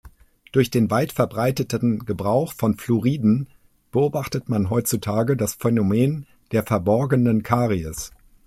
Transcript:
Durch den weitverbreiteten Gebrauch von Fluoriden beobachtet man heutzutage das Phänomen der „verborgenen Karies“.